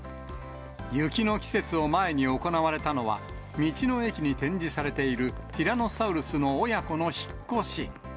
雪の季節を前に行われたのは、道の駅に展示されているティラノサウルスの親子の引っ越し。